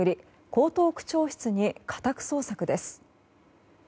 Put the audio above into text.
江東区長室に家宅捜索です。